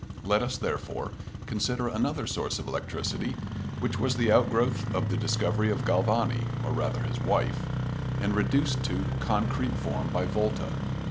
Let us, therefore, consider another source of electricity, which was the outgrowth of the discovery of Galvani (or rather his wife), and reduced to concrete form by Volta.